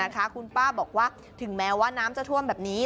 คุณป้าบอกว่าถึงแม้ว่าน้ำจะท่วมแบบนี้